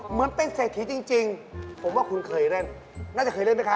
เหมือนเป็นเศรษฐีจริงผมว่าคุณเคยเล่นน่าจะเคยเล่นไหมคะ